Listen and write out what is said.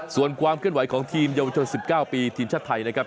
ส่วนความเคลื่อนไหวของทีมเยาวชน๑๙ปีทีมชาติไทยนะครับ